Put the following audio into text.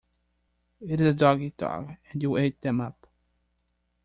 It is dog eat dog, and you ate them up.